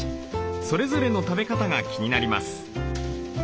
それぞれの食べ方が気になります。